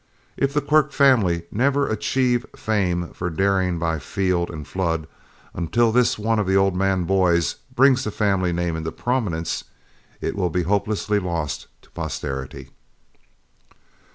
If the Quirk family never achieve fame for daring by field and flood, until this one of the old man's boys brings the family name into prominence, it will be hopelessly lost to posterity.